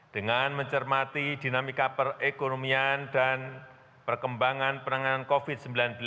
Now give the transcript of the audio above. dengan mencermati dinamika perekonomian dan perkembangan penanganan covid sembilan belas